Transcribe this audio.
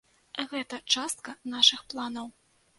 Гэта частка нашых планаў.